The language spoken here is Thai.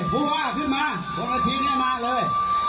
ภูว่าขึ้นมาวันเกิดนี้มาเลย